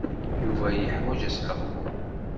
Yuba yeḥwaj asleɣmu.